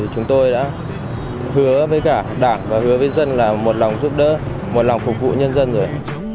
chúng tôi đã hứa với cả đảng và hứa với dân là một lòng giúp đỡ một lòng phục vụ nhân dân rồi